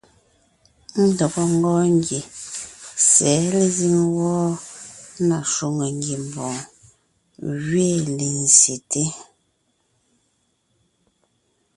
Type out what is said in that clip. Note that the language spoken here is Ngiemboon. Ndɔgɔ ńgɔɔn ngie sɛ̌ lezíŋ wɔ́ɔ na shwòŋo ngiembɔɔn gẅiin lezsyete.